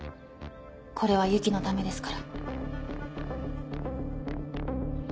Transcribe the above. これはＹＵＫＩのためですから。